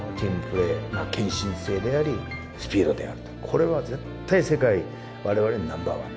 これは絶対世界我々がナンバーワンだと。